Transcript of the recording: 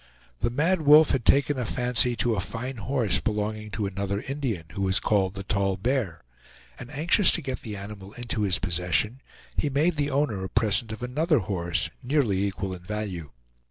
The Mad Wolf had taken a fancy to a fine horse belonging to another Indian, who was called the Tall Bear; and anxious to get the animal into his possession, he made the owner a present of another horse nearly equal in value.